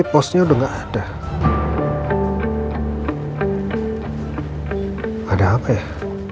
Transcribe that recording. postingan sudah dihapus